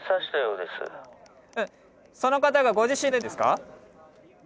えっその方がご自身でですか？